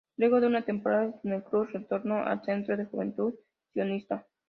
Luego de una temporada en el club, retornó al Centro Juventud Sionista.